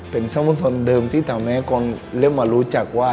เป็นสัมภาษณ์เดิมที่ทำให้คนเรียกมารู้จักว่า